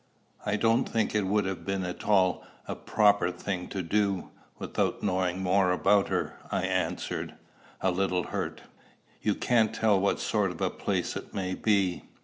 "I don't think it would have been at all a proper thing to do, without knowing more about her," I answered, a little hurt. "You can't tell what sort of a place it may be."